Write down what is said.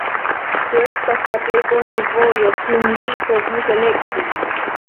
Tio estas la plej bona vojo, kiun li povus elekti.